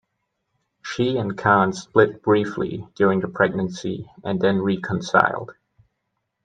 She and Khan split briefly during the pregnancy and then reconciled.